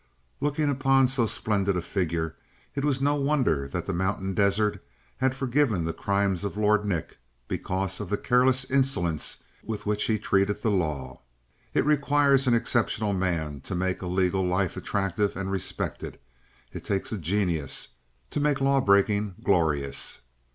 Looking upon so splendid a figure, it was no wonder that the mountain desert had forgiven the crimes of Lord Nick because of the careless insolence with which he treated the law. It requires an exceptional man to make a legal life attractive and respected; it takes a genius to make law breaking glorious.